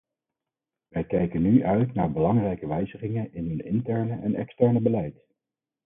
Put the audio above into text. Wij kijken nu uit naar belangrijke wijzigingen in hun interne en externe beleid.